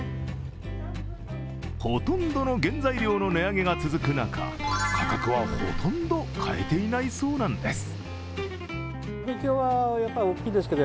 ほとんどの原材料の値上げが続く中、価格はほとんど変えていないそうなんです。